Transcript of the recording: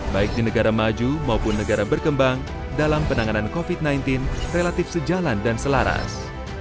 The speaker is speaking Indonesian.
baik di negara maju maupun negara berkembang dalam penanganan covid sembilan belas relatif sejalan dan selaras